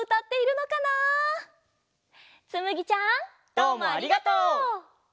どうもありがとう。